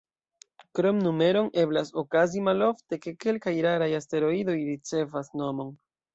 Krom numeron, eblas okazi, malofte, ke kelkaj raraj asteroidoj ricevas nomon.